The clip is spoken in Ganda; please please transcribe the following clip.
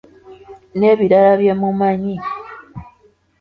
N’ebirala bye mumanyi.